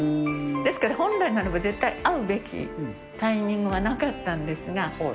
ですから本来ならば、絶対会うべきタイミングはなかったんですが。